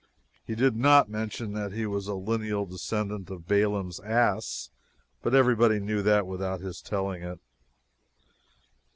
He did not mention that he was a lineal descendant of Balaam's ass, but everybody knew that without his telling it.